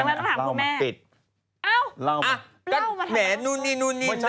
นี่นี่นี่